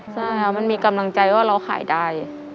ใช่ค่ะมันมีกำลังใจว่าเราขายได้